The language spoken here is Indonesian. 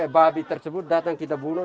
babi tersebut datang kita bunuh